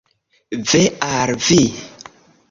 Ve al vi!